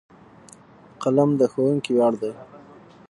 قلم د ښوونکي ویاړ دی.